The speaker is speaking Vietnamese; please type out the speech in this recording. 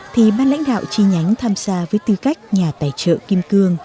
thì ban lãnh đạo chi nhánh tham gia với tư cách nhà tài trợ kim cương